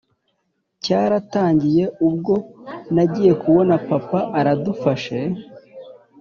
cyaratangiye ubwo nagiye kubona papa aradufashe